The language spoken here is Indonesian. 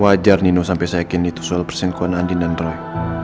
wajar nino sampai saya yakin itu soal persenkuan andin dan roy